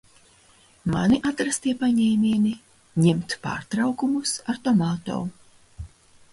Mani atrastie paņēmieni - ņemt pārtraukumus ar Tomato.